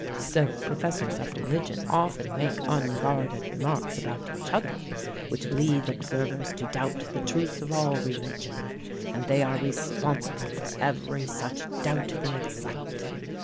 So professors of religion often make unguarded remarks about each other, which lead observers to doubt the truth of all religion; and they are responsible for every such doubt they excite.